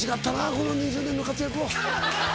この２０年の活躍を。